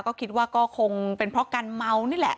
ก็คิดว่าก็คงเป็นเพราะการเมานี่แหละ